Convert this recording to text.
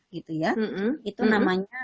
gitu ya itu namanya